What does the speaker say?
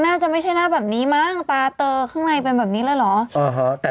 น่าจะไม่ใช่หน้าแบบนี้มั้งตาเตอข้างในเป็นแบบนี้แล้วเหรอ